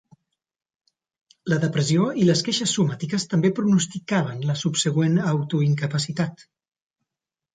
La depressió i les queixes somàtiques també pronosticaven la subsegüent autoincapacitat.